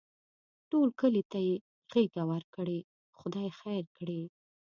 ټول کلي ته یې غېږه ورکړې؛ خدای خیر کړي.